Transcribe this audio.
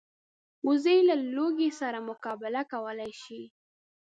وزې له لوږې سره مقابله کولی شي